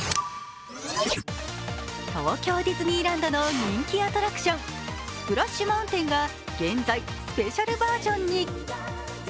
東京ディズニーランドの人気アトラクションスプラッシュ・マウンテンが現在スペシャルバージョンに。